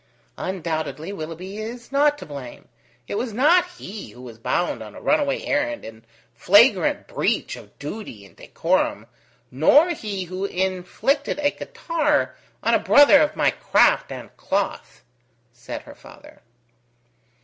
"Undoubtedly Willoughby is not to blame. It was not he who was bound on a runaway errand in flagrant breach of duty and decorum, nor he who inflicted a catarrh on a brother of my craft and cloth," said her father.